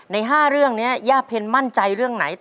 ใน๕เรื่องนี้ย่าเพ็ญมั่นใจเรื่องไหน